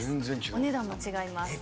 お値段も違います